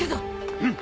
うん！